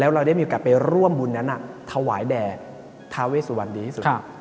เราได้มีโอกาสไปร่วมบุญนั้นถวายแด่ทาเวสุวรรณดีที่สุด